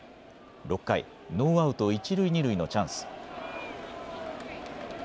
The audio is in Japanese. ６回、ノーアウト１塁２塁のチャンス。